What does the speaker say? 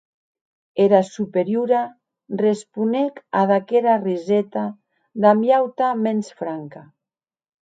Era Superiora responec ad aquera riseta damb ua auta mens franca.